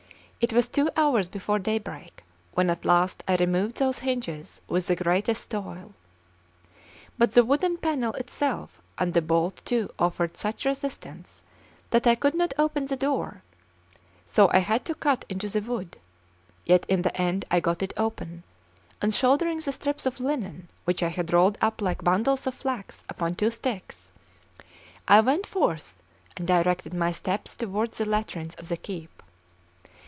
It was two hours before daybreak when at last I removed those hinges with the greatest toil; but the wooden panel itself and the bolt too offered such resistance that I could not open the door; so I had to cut into the wood; yet in the end I got it open, and shouldering the strips of linen which I had rolled up like bundles of flax upon two sticks, I went forth and directed my steps towards the latrines of the keep.